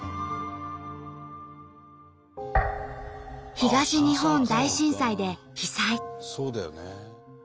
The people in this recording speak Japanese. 東日本大震災で被災。